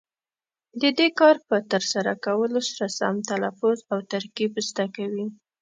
د دې کار په ترسره کولو سره سم تلفظ او ترکیب زده کوي.